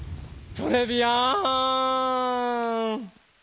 トレビアーン！